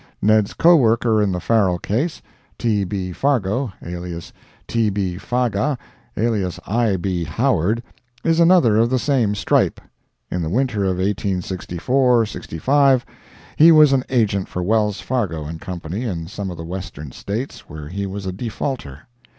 Ned's co worker in the Farrell case (T. B. Fargo, alias T. B. Faga, alias I. B. Howard) is another of the same stripe; in the winter of 1864 5, he was an agent for Wells, Fargo & Co., in some of the Western States, where he was a defaulter.